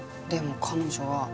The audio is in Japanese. でも彼女は。